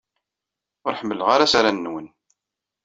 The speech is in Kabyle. Ur ḥemmleɣ ara asaran-nwen.